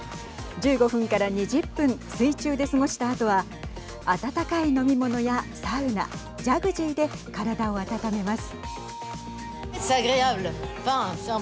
１５分から２０分水中で過ごしたあとは温かい飲み物やサウナジャグジーで体を温めます。